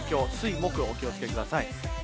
水、木、お気を付けください。